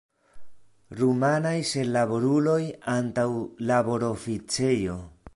Rumanaj senlaboruloj antaŭ laboroficejo.